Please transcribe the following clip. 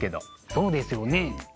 そうですよね。